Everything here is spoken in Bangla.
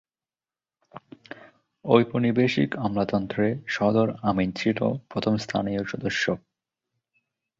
ঔপনিবেশিক আমলাতন্ত্রে সদর আমিন ছিল প্রথম স্থানীয় সদস্য।